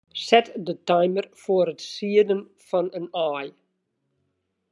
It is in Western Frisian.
Set de timer foar it sieden fan in aai.